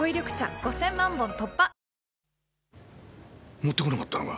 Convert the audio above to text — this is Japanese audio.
持ってこなかったのか？